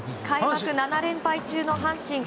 開幕７連敗中の阪神。